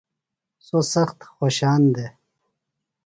سوۡ سخت خوشان دےۡ۔